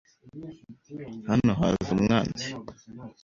Hano haza umwanzi.